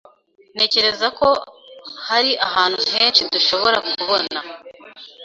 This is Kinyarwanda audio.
Ntekereza ko hari ahantu henshi dushobora kubona